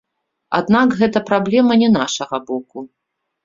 Аднак гэта праблема не нашага боку.